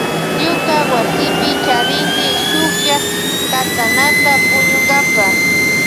Ñuka wasipi charini shuklla katanata puñunkapa.